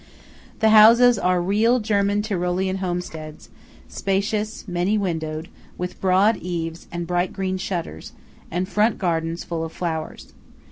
The houses are real German Tyrolean homesteads, spacious, many windowed, with broad eaves, and bright green shutters, and front gardens full of flowers.